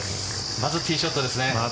まずティーショットですね。